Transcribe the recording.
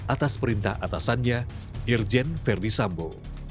atas perintah atasannya irjen ferdisambo